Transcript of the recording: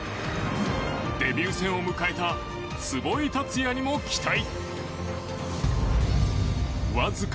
デビュー戦を迎えた壷井達也にも期待。